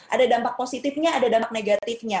ada dampak positifnya ada dampak negatifnya